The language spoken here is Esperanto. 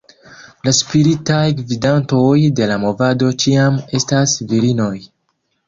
La "spiritaj gvidantoj" de la movado ĉiam estas virinoj.